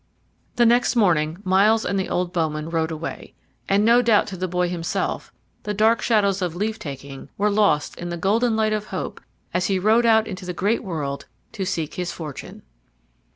The next morning Myles and the old bowman rode away, and no doubt to the boy himself the dark shadows of leave taking were lost in the golden light of hope as he rode out into the great world to seek his fortune.